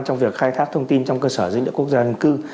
trong việc khai thác thông tin trong cơ sở dữ liệu quốc gia dân cư